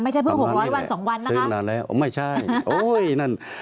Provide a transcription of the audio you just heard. เพิ่งหกร้อยวันสองวันนะคะนานแล้วไม่ใช่โอ้ยนั่น